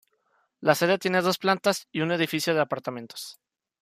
La sede tiene dos plantas y un edificio de apartamentos.